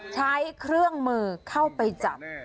ใช้เครื่องมือเข้าไปจับ